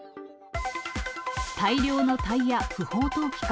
大量のタイヤ不法投棄か。